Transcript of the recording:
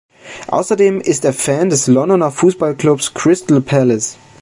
Außerdem ist er Fan des Londoner Fußballklubs Crystal Palace.